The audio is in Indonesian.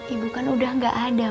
ibu kan udah gak ada